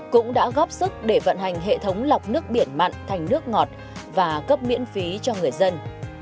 cũng đã góp sức để vận hành hệ thống lọc nước biển mặn thành nước ngọt và cấp miễn phí cho người dân